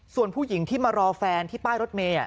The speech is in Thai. ส่วนผู้หญิงที่มารอแฟนที่ป้ายรถเมย์